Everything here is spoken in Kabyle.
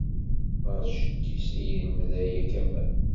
Ɣer jeddi-s i d-yelmed aya Kamal.